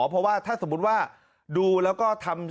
เพราะว่าถ้าสมมุติว่าดูแล้วก็ทำ